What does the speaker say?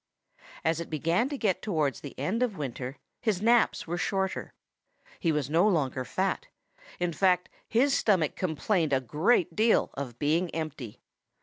As it began to get towards the end of winter his naps were shorter. He was no longer fat. In fact, his stomach complained a great deal of being empty.